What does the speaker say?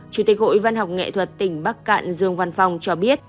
chủ tịch hội văn học nghệ thuật tỉnh bắc cạn dương văn phòng cho biết